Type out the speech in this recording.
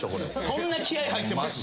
そんな気合入ってます！？